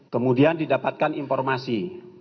kemudian didapatkan informasi